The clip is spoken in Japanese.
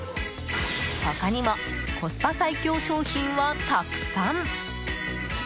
他にもコスパ最強商品はたくさん！